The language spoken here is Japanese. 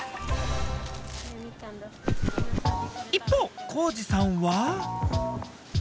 一方幸二さんは。